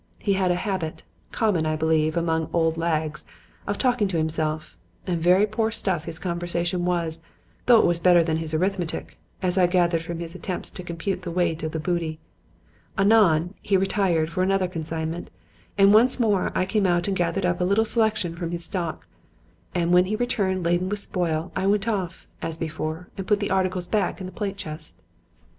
He had a habit common, I believe, among 'old lags' of talking to himself; and very poor stuff his conversation was, though it was better than his arithmetic, as I gathered from his attempts to compute the weight of the booty. Anon, he retired for another consignment, and once more I came out and gathered up a little selection from his stock; and when he returned laden with spoil, I went off, as before, and put the articles back in the plate chest.